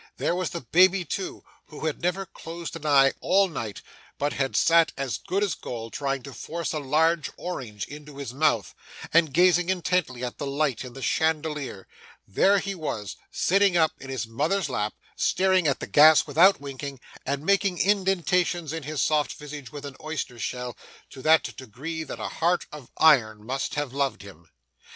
There was the baby too, who had never closed an eye all night, but had sat as good as gold, trying to force a large orange into his mouth, and gazing intently at the lights in the chandelier there he was, sitting up in his mother's lap, staring at the gas without winking, and making indentations in his soft visage with an oyster shell, to that degree that a heart of iron must have loved him!